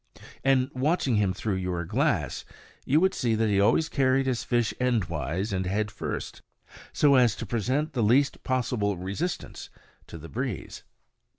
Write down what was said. And, watching him through your glass, you would see that he always carried his fish endwise and head first, so as to present the least possible resistance to the breeze.